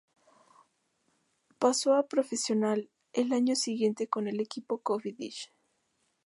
Pasó a profesional el año siguiente con el equipo Cofidis.